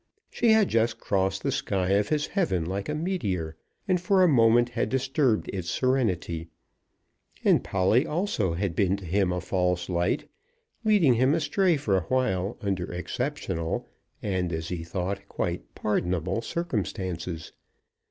She had just crossed the sky of his heaven like a meteor, and for a moment had disturbed its serenity. And Polly also had been to him a false light, leading him astray for awhile under exceptional, and, as he thought, quite pardonable circumstances.